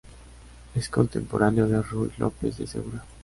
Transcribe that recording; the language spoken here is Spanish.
Es contemporáneo de Ruy López de Segura.